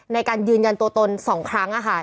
ในการยืนยันตัวตน๒ครั้งค่ะ